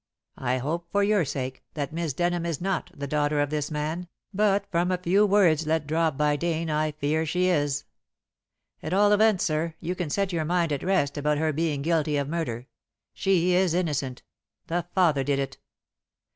I hope, for your sake, that Miss Denham is not the daughter of this man, but from a few words let drop by Dane I fear she is. At all events, sir, you can set your mind at rest about her being guilty of murder. She is innocent. The father did it."